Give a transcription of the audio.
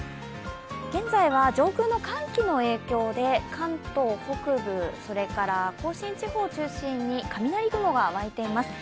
現在は上空の寒気の影響で関東北部、それから甲信地方を中心に雷雲が湧いています。